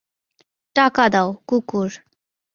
টাকা দাও, কুকুর।